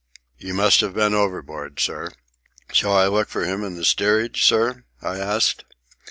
"You must have been overboard, sir." "Shall I look for him in the steerage, sir?" I asked.